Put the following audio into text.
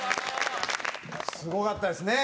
すごかったですね。